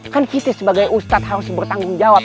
kan kita sebagai ustadz harus bertanggung jawab